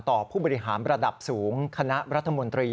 ผู้บริหารระดับสูงคณะรัฐมนตรี